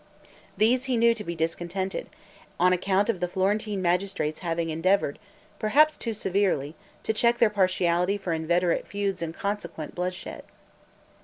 These he knew to be discontented, on account of the Florentine magistrates having endeavored, perhaps too severely, to check their partiality for inveterate feuds and consequence bloodshed.